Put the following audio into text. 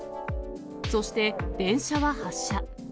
そして電車は発車。